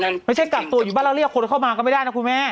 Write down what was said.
ไม่ใช่กักตัวอยู่บ้านแล้วเรียกคนเข้ามาก็ไม่ได้นะคุณแม่